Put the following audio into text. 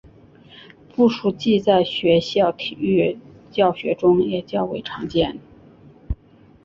步数计在学校体育教学中也较为常见。